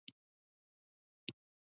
ښتې د افغان کلتور په داستانونو کې راځي.